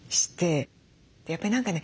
やっぱり何かね